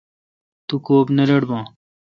مہ کوب نہ رٹ باں۔